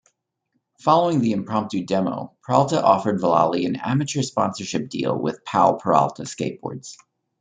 Following the impromptu demo, Peralta offered Vallely an amateur sponsorship deal with Powell-Peralta Skateboards.